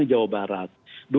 di jawa barat